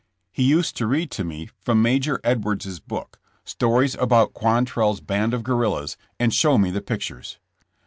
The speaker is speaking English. He used to read to me from Major Edwards's book, stories about Quan trell's band of guerrillas, and show me the pictures.